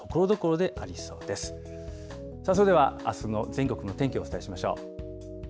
さあそれでは、あすの全国の天気お伝えしましょう。